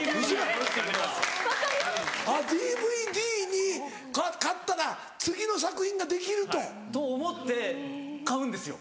ＤＶＤに買ったら次の作品ができると。と思って買うんですよ。